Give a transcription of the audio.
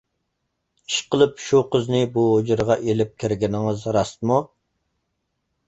ئىشقىلىپ شۇ قىزنى بۇ ھۇجرىغا ئېلىپ كىرگىنىڭىز راستمۇ؟